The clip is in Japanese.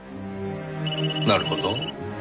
なるほど。